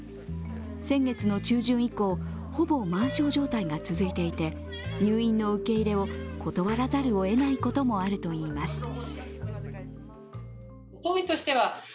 先月の中旬以降、ほぼ満床状態が続いていて、入院の受け入れを断らざるをえないこともあるといいます。